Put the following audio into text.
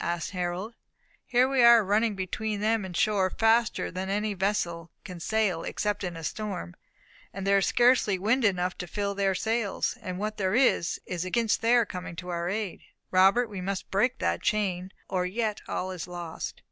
asked Harold. "Here we are running between them and shore, faster than any vessel can sail except in a storm, and there is scarcely wind enough to fill their sails, and what there is is against their coming to our aid. Robert, we must break that chain, or yet all is lost."